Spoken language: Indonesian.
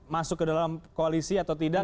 masuk ke dalam koalisi atau tidak